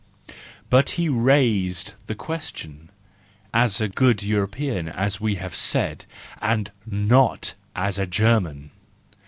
... But he raised the question—as a good European, as we have said, and not as a German.